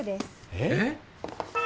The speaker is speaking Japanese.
えっ？